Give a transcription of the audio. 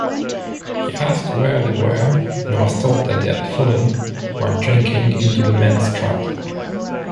He asked where they were and was told that they had fallen, while drinking, into the men’s trap.